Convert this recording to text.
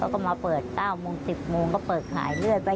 แล้วก็มาเปิด๙โมง๑๐โมงก็เปิดขายเรื่อยไป